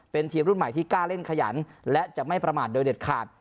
เป็นทีมรุ่นใหม่ที่กล้าเล่นขยันและจะไม่ประมาทโดยเด็ดขาด